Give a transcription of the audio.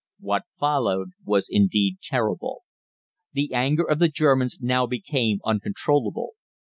What followed was indeed terrible. The anger of the Germans now became uncontrollable.